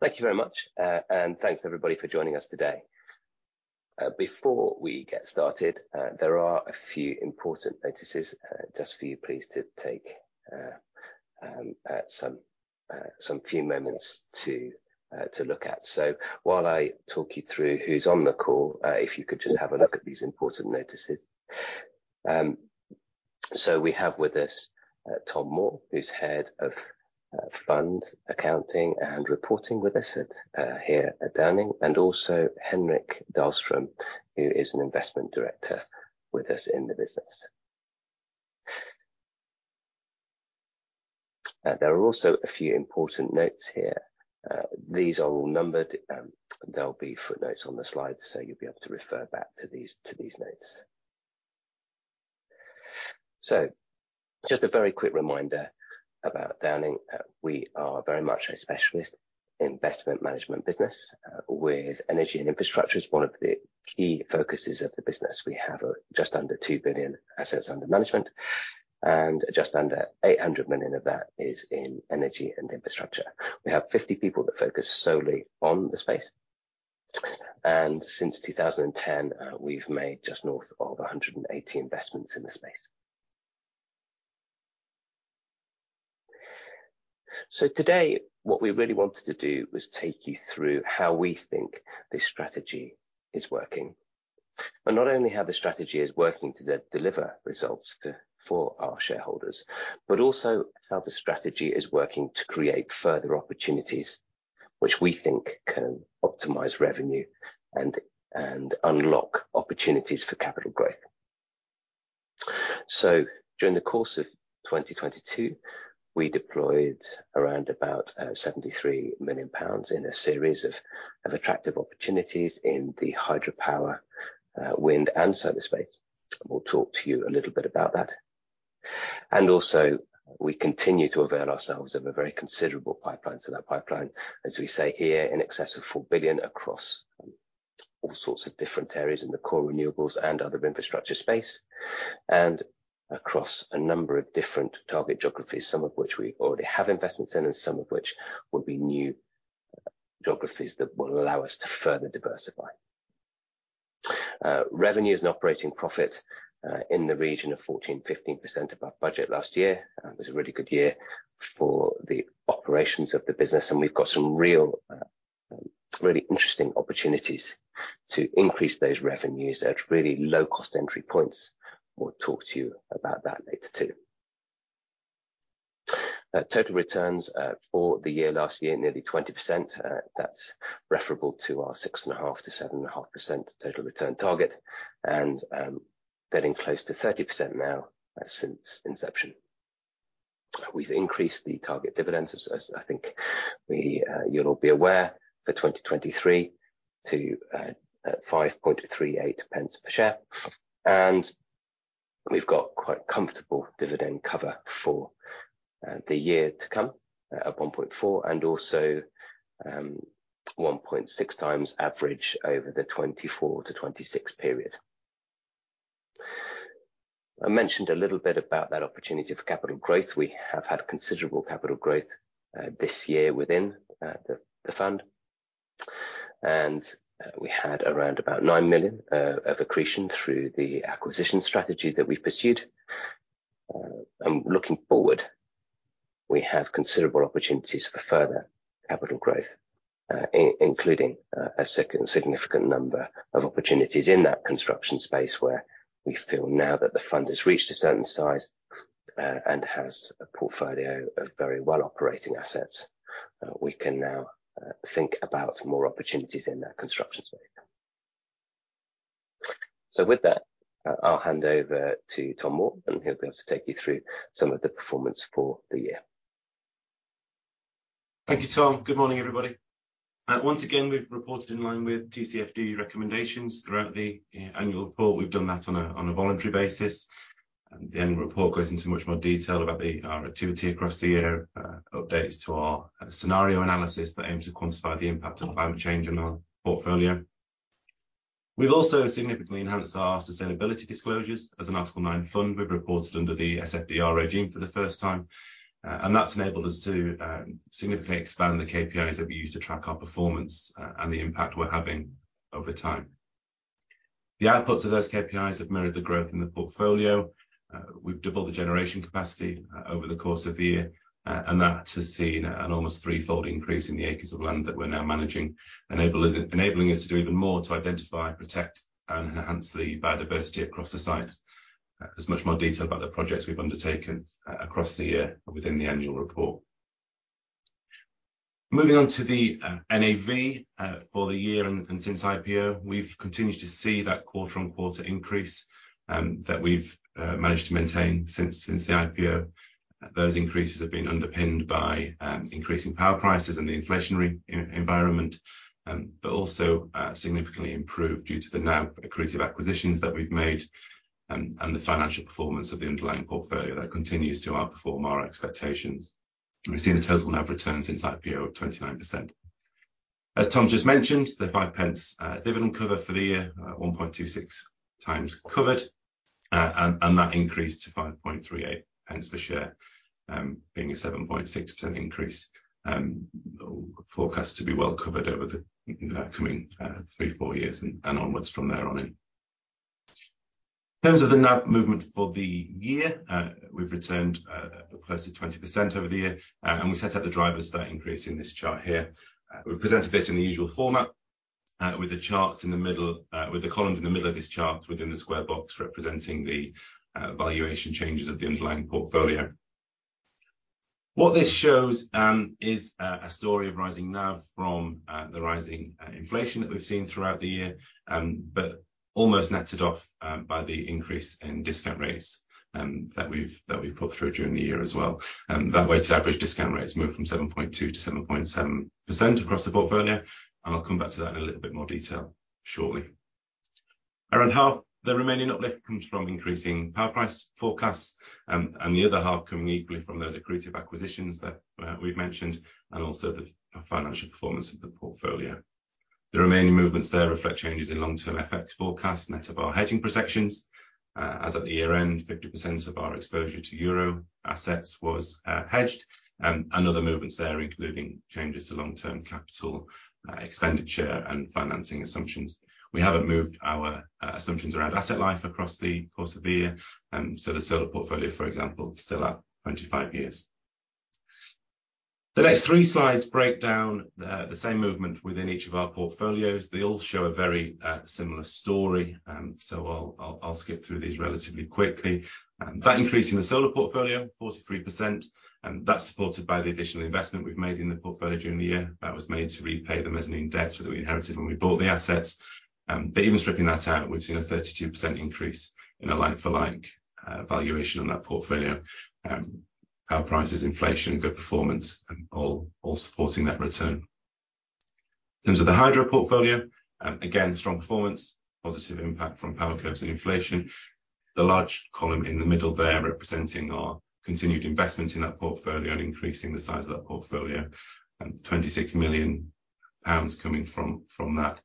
Thank you very much. Thanks everybody for joining us today. Before we get started, there are a few important notices, just for you please to take some few moments to look at. While I talk you through who's on the call, if you could just have a look at these important notices. We have with us, Tom Moore, who's Head of Fund and Portfolio Reporting with us here at Downing, and also Henrik Dahlström, who is an Investment Director with us in the business. There are also a few important notes here. These are all numbered. There'll be footnotes on the slide, so you'll be able to refer back to these notes. Just a very quick reminder about Downing. We are very much a Specialist Investment Management business, with energy and infrastructure as one of the key focuses of the business. We have just under 2 billion assets under management, and just under 800 million of that is in energy and infrastructure. We have 50 people that focus solely on the space. Since 2010, we've made just north of 180 investments in the space. Today, what we really wanted to do was take you through how we think this strategy is working. Not only how the strategy is working to deliver results for our shareholders, but also how the strategy is working to create further opportunities which we think can optimize revenue and unlock opportunities for capital growth. During the course of 2022, we deployed around about 73 million pounds in a series of attractive opportunities in the hydropower, wind and solar space. We'll talk to you a little bit about that. We continue to avail ourselves of a very considerable pipeline. That pipeline, as we say here, in excess of 4 billion across all sorts of different areas in the core renewables and other infrastructure space, and across a number of different target geographies, some of which we already have investments in and some of which will be new geographies that will allow us to further diversify. Revenue is an operating profit in the region of 14%-15% above budget last year. It was a really good year for the operations of the business, and we've got some real, really interesting opportunities to increase those revenues at really low cost entry points. We'll talk to you about that later too. Total returns for the year last year, nearly 20%. That's referable to our 6.5%-7.5% total return target and getting close to 30% now since inception. We've increased the target dividends, as I think we, you'll all be aware for 2023 to 0.0538 per share, and we've got quite comfortable dividend cover for the year to come at 1.4 and also 1.6 times average over the 2024-2026 period. I mentioned a little bit about that opportunity for capital growth. We have had considerable capital growth this year within the fund. We had around about 9 million of accretion through the acquisition strategy that we've pursued. Looking forward, we have considerable opportunities for further capital growth, including a second significant number of opportunities in that construction space where we feel now that the fund has reached a certain size and has a portfolio of very well operating assets, we can now think about more opportunities in that construction space. With that, I'll hand over to Tom Moore. He'll be able to take you through some of the performance for the year. Thank you, Tom. Good morning, everybody. Once again, we've reported in line with TCFD recommendations throughout the annual report. We've done that on a voluntary basis. The annual report goes into much more detail about our activity across the year, updates to our scenario analysis that aims to quantify the impact of climate change on our portfolio. We've also significantly enhanced our sustainability disclosures. As an Article 9 fund, we've reported under the SFDR regime for the first time, that's enabled us to significantly expand the KPIs that we use to track our performance, and the impact we're having over time. The outputs of those KPIs have mirrored the growth in the portfolio. We've doubled the generation capacity over the course of the year, and that has seen an almost threefold increase in the acres of land that we're now managing, enabling us to do even more to identify, protect and enhance the biodiversity across the site. There's much more detail about the projects we've undertaken across the year within the annual report. Moving on to the NAV for the year and since IPO, we've continued to see that quarter-on-quarter increase that we've managed to maintain since the IPO. Those increases have been underpinned by increasing power prices and the inflationary environment, but also significantly improved due to the now accretive acquisitions that we've made and the financial performance of the underlying portfolio that continues to outperform our expectations. We've seen a total NAV return since IPO of 29%. As Tom just mentioned, the 0.05 dividend cover for the year, 1.26 times covered. That increased to 0.0538 pounds per share, being a 7.6% increase, forecast to be well covered over the coming 3-4 years and onwards from there on in. In terms of the NAV movement for the year, we've returned close to 20% over the year, and we set out the drivers of that increase in this chart here. We've presented this in the usual format, with the charts in the middle, with the columns in the middle of this chart within the square box representing the valuation changes of the underlying portfolio. What this shows is a story of rising NAV from the rising inflation that we've seen throughout the year, but almost netted off by the increase in discount rates that we've put through during the year as well. That weighted average discount rate has moved from 7.2%-7.7% across the portfolio, and I'll come back to that in a little bit more detail shortly. Around half the remaining uplift comes from increasing power price forecasts, and the other half coming equally from those accretive acquisitions that we've mentioned and also the financial performance of the portfolio. The remaining movements there reflect changes in long-term FX forecasts net of our hedging protections. As at the year-end, 50% of our exposure to EUR assets was hedged. Other movements there, including changes to long-term capital expenditure and financing assumptions. We haven't moved our assumptions around asset life across the course of the year, so the solar portfolio, for example, is still at 25 years. The next three slides break down the same movement within each of our portfolios. They all show a very similar story, so I'll skip through these relatively quickly. That increase in the solar portfolio, 43%, and that's supported by the additional investment we've made in the portfolio during the year. That was made to repay the mezzanine debt that we inherited when we bought the assets. Even stripping that out, we've seen a 32% increase in a like-for-like valuation on that portfolio. Power prices, inflation, good performance, all supporting that return. In terms of the hydro portfolio, again, strong performance, positive impact from power curves and inflation. The large column in the middle there representing our continued investment in that portfolio and increasing the size of that portfolio, and 26 million pounds coming from that.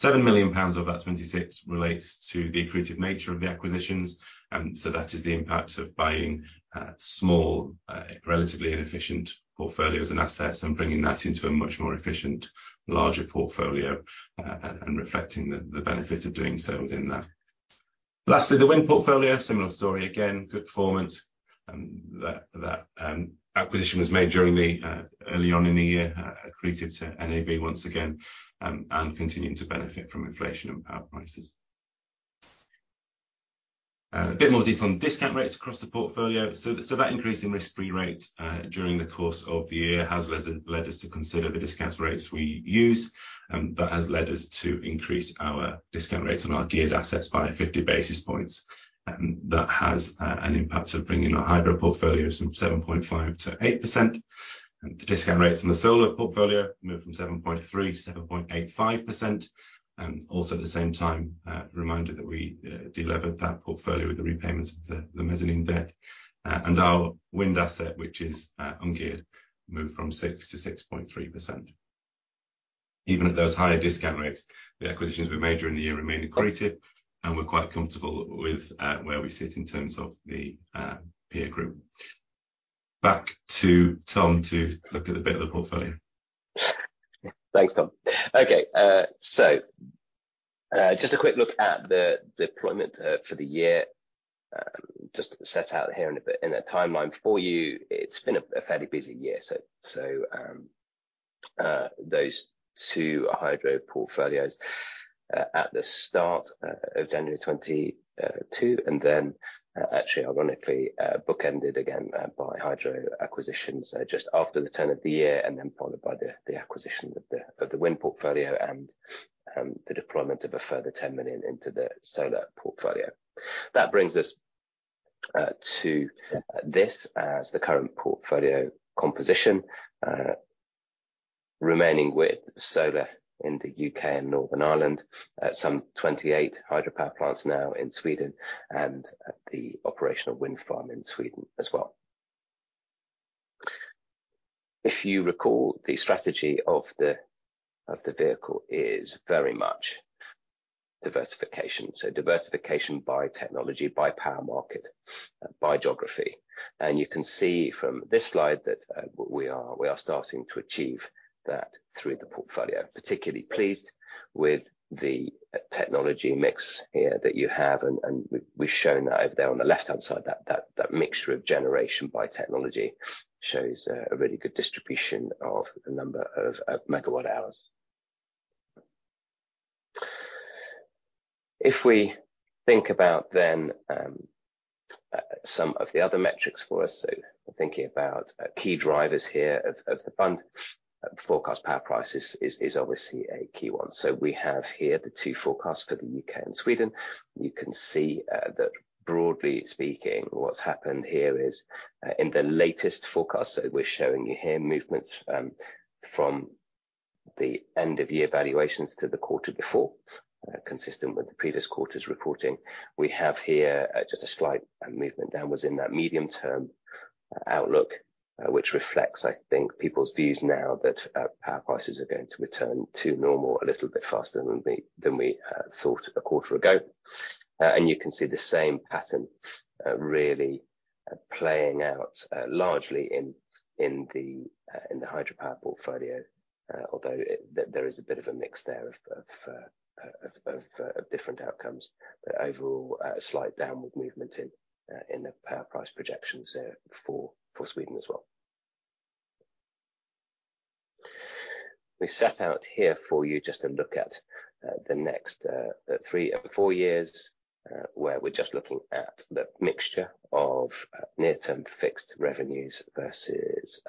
7 million pounds of that 26 relates to the accretive nature of the acquisitions, so that is the impact of buying small, relatively inefficient portfolios and assets and bringing that into a much more efficient, larger portfolio, and reflecting the benefit of doing so within that. Lastly, the wind portfolio, similar story again, good performance, that acquisition was made during the early on in the year, accretive to NAV once again, and continuing to benefit from inflation and power prices. A bit more detail on discount rates across the portfolio. That increase in risk-free rate, during the course of the year has led us to consider the discount rates we use, that has led us to increase our discount rates on our geared assets by 50 basis points. That has an impact of bringing our hydro portfolios from 7.5%-8%. The discount rates on the solar portfolio moved from 7.3%-7.85%. Also at the same time, reminder that we delevered that portfolio with the repayment of the mezzanine debt. Our wind asset, which is ungeared, moved from 6%-6.3%. Even at those higher discount rates, the acquisitions we made during the year remain accretive, and we're quite comfortable with where we sit in terms of the peer group. Back to Tom to look at a bit of the portfolio. Thanks, Tom. Just a quick look at the deployment for the year. Just to set out here in a bit, in a timeline for you, it's been a fairly busy year. Those two hydro portfolios at the start of January 2022 and then actually ironically bookended again by hydro acquisitions just after the turn of the year and then followed by the acquisition of the wind portfolio and the deployment of a further 10 million into the solar portfolio. That brings us to this as the current portfolio composition remaining with solar in the U.K. and Northern Ireland, some 28 hydropower plants now in Sweden and at the operational wind farm in Sweden as well. If you recall, the strategy of the vehicle is very much diversification, so diversification by technology, by power market, by geography. You can see from this slide that we are starting to achieve that through the portfolio. Particularly pleased with the technology mix that you have and we've shown that over there on the left-hand side, that mixture of generation by technology shows a really good distribution of the number of MWh. If we think about then some of the other metrics for us, so thinking about key drivers here of the fund, forecast power prices is obviously a key one. We have here the two forecasts for the U.K. and Sweden. You can see that broadly speaking, what's happened here is in the latest forecast that we're showing you here, movements from the end of year valuations to the quarter before, consistent with the previous quarter's reporting. We have here just a slight movement downwards in that medium-term outlook, which reflects, I think, people's views now that power prices are going to return to normal a little bit faster than we thought a quarter ago. You can see the same pattern really playing out largely in the, in the hydropower portfolio. Although there is a bit of a mix there of different outcomes. Overall, a slight downward movement in the power price projections there for Sweden as well. We set out here for you just to look at the next 3, 4 years, where we're just looking at the mixture of near-term fixed revenues versus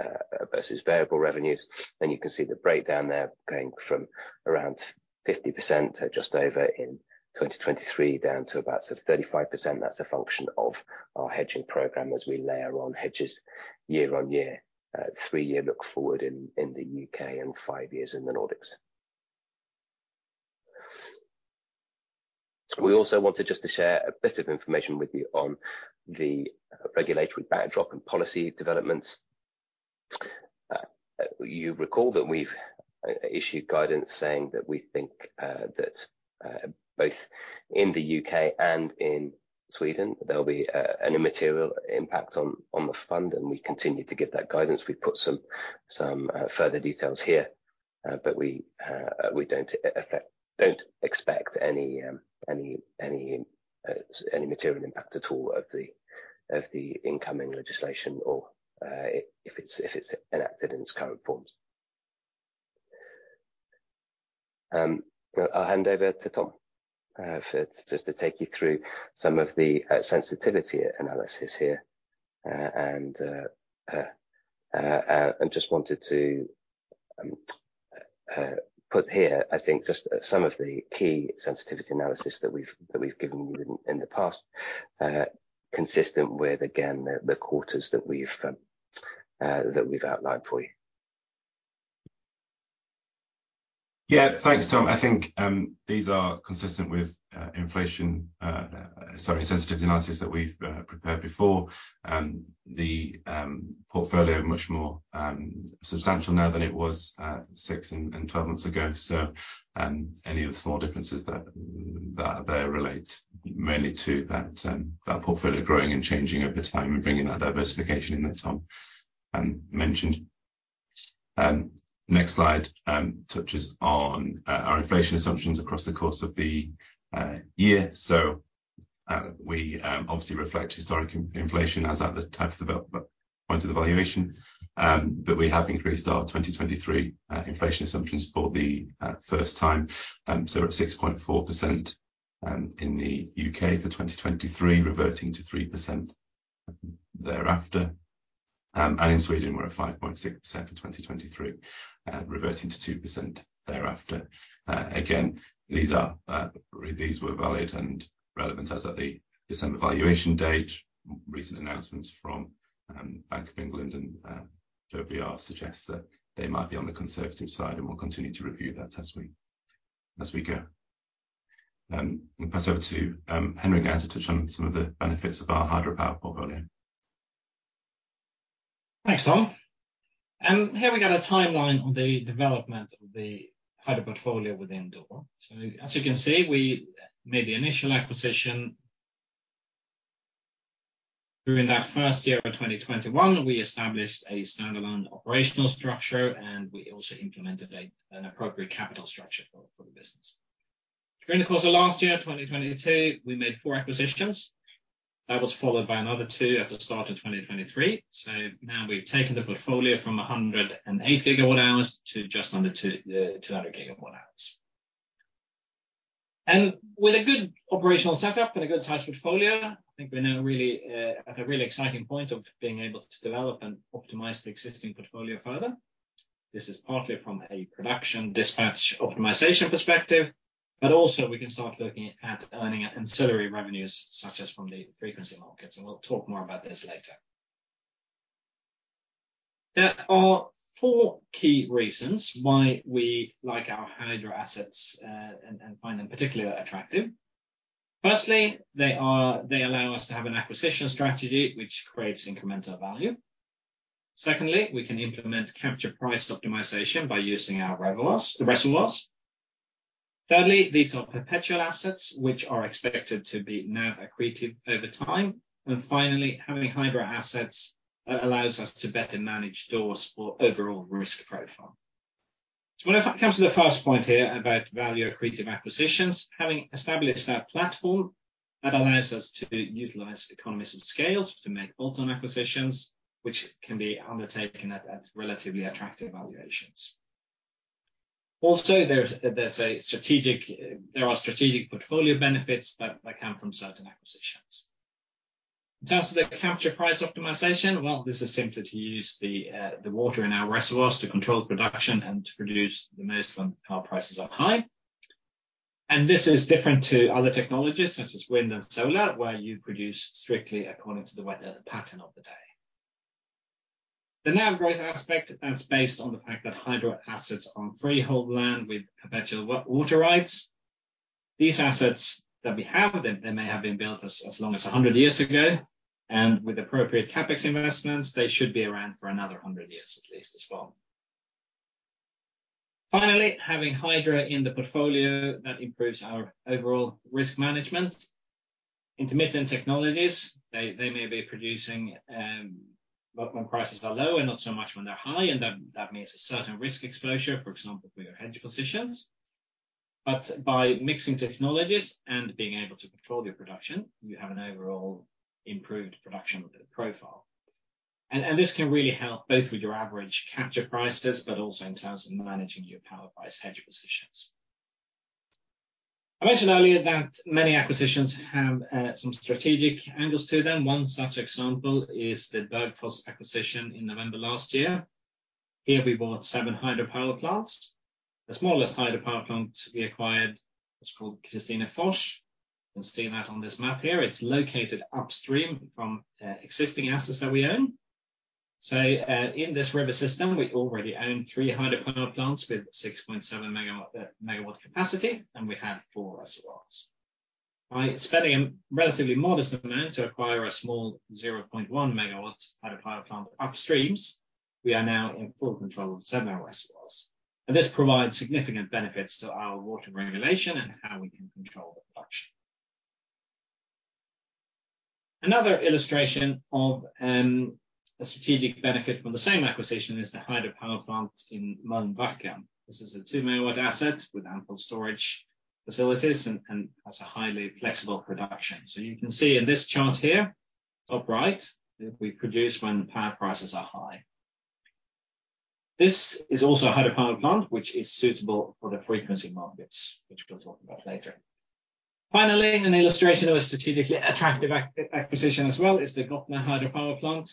versus variable revenues. You can see the breakdown there going from around 50% just over in 2023, down to about sort of 35%. That's a function of our hedging program as we layer on hedges year-on-year. 3-year look forward in the U.K. and 5 years in the Nordics. We also wanted just to share a bit of information with you on the regulatory backdrop and policy developments. You recall that we've issued guidance saying that we think that both in the U.K. and in Sweden, there'll be an immaterial impact on the fund, and we continue to give that guidance. We've put some further details here. We don't expect any material impact at all of the incoming legislation or if it's enacted in its current forms. I'll hand over to Tom just to take you through some of the sensitivity analysis here. Just wanted to put here, I think, just some of the key sensitivity analysis that we've given you in the past, consistent with, again, the quarters that we've outlined for you. Yeah. Thanks, Tom. I think these are consistent with inflation, sorry, sensitivity analysis that we've prepared before. The portfolio much more substantial now than it was 6 and 12 months ago, so any of the small differences that are there relate mainly to that portfolio growing and changing over time and bringing that diversification in that Tom mentioned. Next slide touches on our inflation assumptions across the course of the year. We obviously reflect historic inflation as at the time of the point of the valuation, but we have increased our 2023 inflation assumptions for the first time. We're at 6.4% in the U.K. for 2023, reverting to 3% thereafter. In Sweden, we're at 5.6% for 2023, reverting to 2% thereafter. These were valid and relevant as at the December valuation date. Recent announcements from Bank of England and OBR suggests that they might be on the conservative side, and we'll continue to review that as we go. I'll pass over to Henrik now to touch on some of the benefits of our hydropower portfolio. Thanks, Tom. Here we've got a timeline on the development of the hydro portfolio within DORE. As you can see, we made the initial acquisition. During that first year of 2021, we established a standalone operational structure, and we also implemented an appropriate capital structure for the business. During the course of last year, 2022, we made four acquisitions. That was followed by another two at the start of 2023. Now we've taken the portfolio from 108 GWh to just under 200 GWh. With a good operational setup and a good sized portfolio, I think we're now really at a really exciting point of being able to develop and optimize the existing portfolio further. This is partly from a production dispatch optimization perspective. Also, we can start looking at earning ancillary revenues such as from the frequency markets. We'll talk more about this later. There are four key reasons why we like our hydro assets and find them particularly attractive. Firstly, they allow us to have an acquisition strategy which creates incremental value. Secondly, we can implement capture price optimization by using our reservoirs. Thirdly, these are perpetual assets which are expected to be now accretive over time. Finally, having hydro assets allows us to better manage DORE's overall risk profile. When it comes to the first point here about value accretive acquisitions, having established that platform, that allows us to utilize economies of scale to make bolt-on acquisitions, which can be undertaken at relatively attractive valuations. Also, there are strategic portfolio benefits that come from certain acquisitions. In terms of the capture price optimization, well, this is simply to use the water in our reservoirs to control production and to produce the most when power prices are high. This is different to other technologies such as wind and solar, where you produce strictly according to the weather pattern of the day. The now growth aspect, that's based on the fact that hydro assets are on freehold land with perpetual water rights. These assets that we have, they may have been built as long as 100 years ago, and with appropriate CapEx investments, they should be around for another 100 years at least as well. Finally, having hydro in the portfolio, that improves our overall risk management. Intermittent technologies, they may be producing, well, when prices are low and not so much when they're high, and that means a certain risk exposure, for example, for your hedge positions. By mixing technologies and being able to control your production, you have an overall improved production profile. This can really help both with your average capture prices, but also in terms of managing your power price hedge positions. I mentioned earlier that many acquisitions have some strategic angles to them. One such example is the Bergfors acquisition in November last year. Here we bought seven hydropower plants. The smallest hydropower plant we acquired was called Kristinefors. You can see that on this map here. It's located upstream from existing assets that we own. In this river system, we already own 3 hydropower plants with 6.7 MW capacity, and we have 4 reservoirs. By spending a relatively modest amount to acquire a small 0.1 MW hydropower plant upstream, we are now in full control of 7 reservoirs, and this provides significant benefits to our water regulation and how we can control the production. Another illustration of a strategic benefit from the same acquisition is the hydropower plant in Malmbäcken. This is a 2-MW asset with ample storage facilities and has a highly flexible production. You can see in this chart here, top right, that we produce when the power prices are high. This is also a hydropower plant which is suitable for the frequency markets, which we'll talk about later. Finally, an illustration of a strategically attractive acquisition as well is the Gottne hydropower plant.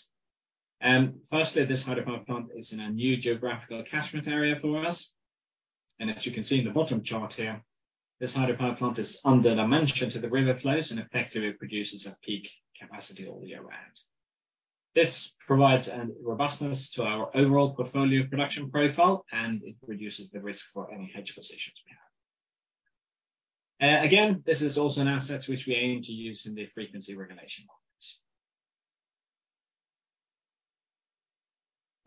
Firstly, this hydropower plant is in a new geographical catchment area for us. As you can see in the bottom chart here, this hydropower plant is under-dimensioned to the river flows and effectively produces a peak capacity all year round. This provides a robustness to our overall portfolio production profile. It reduces the risk for any hedge positions we have. Again, this is also an asset which we aim to use in the frequency regulation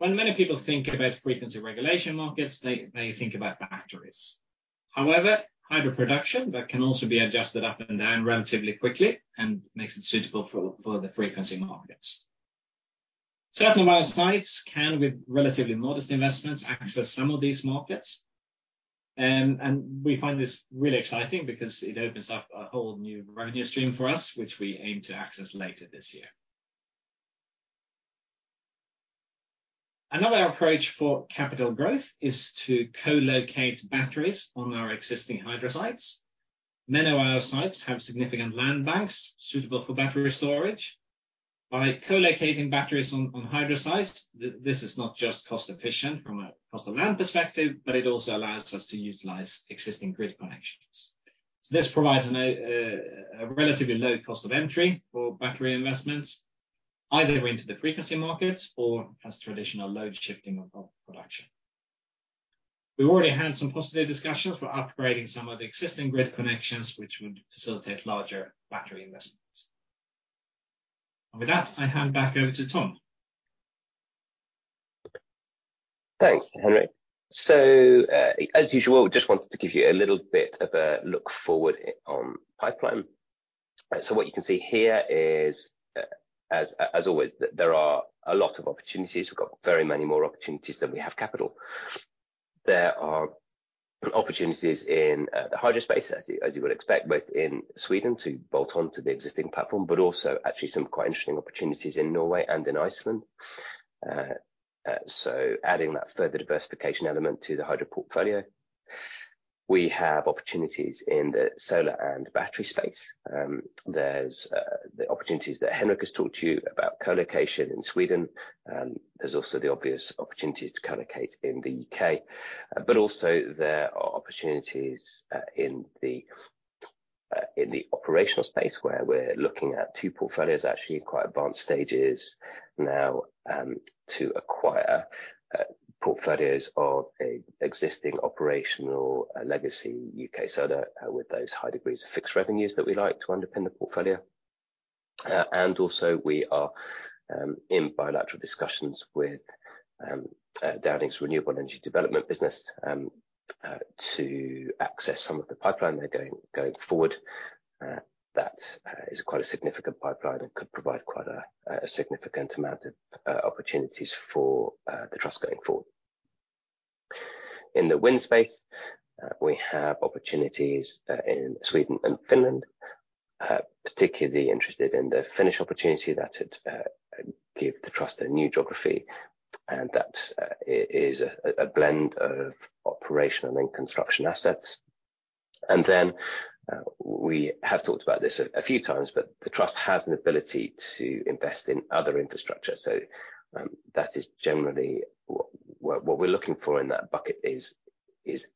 markets. When many people think about frequency regulation markets, they think about batteries. However, hydro production, that can also be adjusted up and down relatively quickly and makes it suitable for the frequency markets. Certain of our sites can, with relatively modest investments, access some of these markets, and we find this really exciting because it opens up a whole new revenue stream for us, which we aim to access later this year. Another approach for capital growth is to co-locate batteries on our existing hydro sites. Many of our sites have significant land banks suitable for battery storage. By co-locating batteries on hydro sites, this is not just cost-efficient from a cost of land perspective, but it also allows us to utilize existing grid connections. This provides an a relatively low cost of entry for battery investments, either into the frequency markets or as traditional load shifting of production. We've already had some positive discussions for upgrading some of the existing grid connections, which would facilitate larger battery investments. With that, I hand back over to Tom. Thanks, Henrik. As usual, just wanted to give you a little bit of a look forward on pipeline. What you can see here is, as always, there are a lot of opportunities. We've got very many more opportunities than we have capital. There are opportunities in the hydro space as you would expect, both in Sweden to bolt on to the existing platform, but also actually some quite interesting opportunities in Norway and in Iceland. Adding that further diversification element to the hydro portfolio. We have opportunities in the solar and battery space. There's the opportunities that Henrik has talked to you about co-location in Sweden. There's also the obvious opportunities to co-locate in the U.K.. Also there are opportunities in the operational space, where we're looking at 2 portfolios actually in quite advanced stages now, to acquire portfolios of a existing operational legacy U.K. solar, with those high degrees of fixed revenues that we like to underpin the portfolio. Also we are in bilateral discussions with Downing's Renewable Energy Development business to access some of the pipeline they're going forward. That is quite a significant pipeline and could provide quite a significant amount of opportunities for the trust going forward. In the wind space, we have opportunities in Sweden and Finland. Particularly interested in the Finnish opportunity that it give the trust a new geography, and that is a blend of operational and construction assets. We have talked about this a few times, the trust has an ability to invest in other infrastructure. That is generally what we're looking for in that bucket is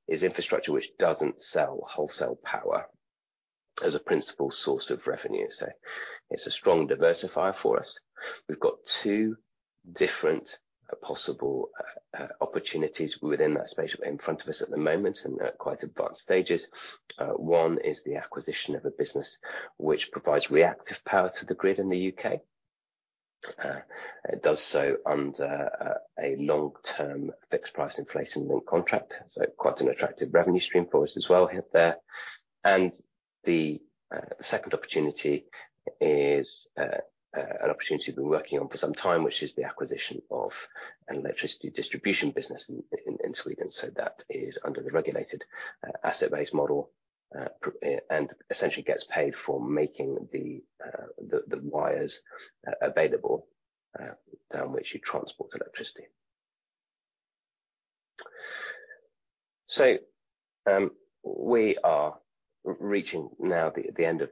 infrastructure which doesn't sell wholesale power as a principal source of revenue. It's a strong diversifier for us. We've got two different possible opportunities within that space in front of us at the moment, they're at quite advanced stages. One is the acquisition of a business which provides reactive power to the grid in the U.K.. It does so under a long-term fixed price inflation link contract, quite an attractive revenue stream for us as well here, there. The second opportunity is an opportunity we've been working on for some time, which is the acquisition of an Electricity Distribution business in Sweden. That is under the Regulated Asset Base model and essentially gets paid for making the wires available down which you transport electricity. We are reaching now the end of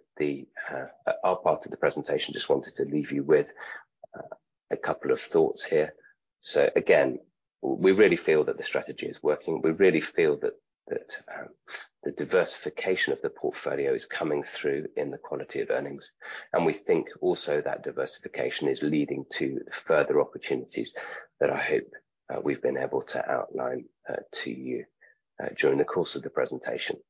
our part of the presentation. Just wanted to leave you with a couple of thoughts here. Again, we really feel that the strategy is working. We really feel that the diversification of the portfolio is coming through in the quality of earnings. We think also that diversification is leading to further opportunities that I hope we've been able to outline to you during the course of the presentation.